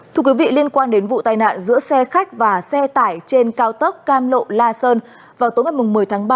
thưa quý vị liên quan đến vụ tai nạn giữa xe khách và xe tải trên cao tốc cam lộ la sơn vào tối ngày một mươi tháng ba